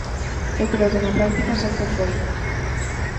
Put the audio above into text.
Eu creo que na práctica sempre o foi.